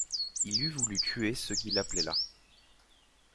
Il eût voulu tuer ceux qui l'appelaient là.